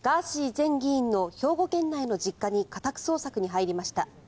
前議員の兵庫県内の実家に家宅捜索に入りました。